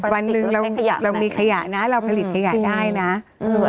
วันหนึ่งเราใช้พลาสติกแล้วไม่ได้ขยะวันหนึ่งเรามีขยะนะเราผลิตขยะได้นะ